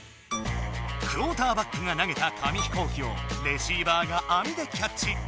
クオーターバックが投げた紙飛行機をレシーバーがあみでキャッチ。